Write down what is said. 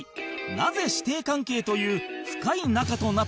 なぜ師弟関係という深い仲となったのか？